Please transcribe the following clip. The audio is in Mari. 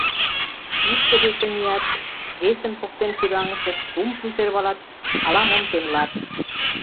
Икте деке мият, весын воктен шӱраҥыштыт, кумшым сӧрвалат, ала-мом темлат.